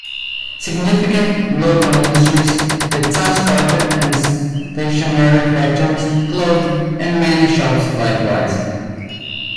Significant local industries, the town's carpet and stationery factories, closed, and many shops likewise.